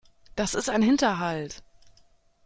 Das ist ein Hinterhalt.